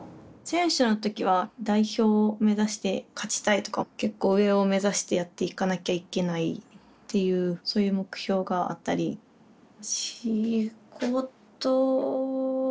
選手の時は代表を目指して勝ちたいとか結構上を目指してやっていかなきゃいけないっていうそういう目標があったり仕事はまだ何だろう